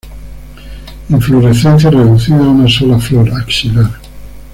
Inflorescencia reducida a una sola flor, axilar.